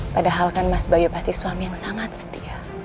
padahal kan mas bayu pasti suami yang sangat setia